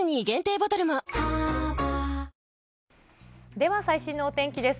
では最新のお天気です。